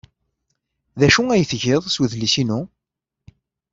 D acu ay tgiḍ s wedlis-inu?